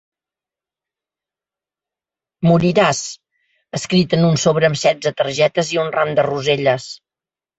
“Moriràs” escrit en un sobre amb setze targetes i un ram de roselles.